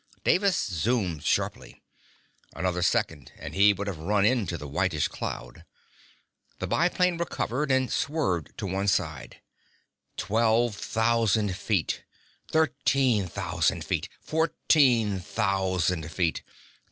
Davis zoomed sharply. Another second and he would have run into the whitish cloud. The biplane recovered and swerved to one side. Twelve thousand feet. Thirteen thousand feet. Fourteen thousand feet.